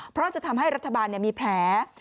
เพราะจะทำให้รัฐบาลมีแผล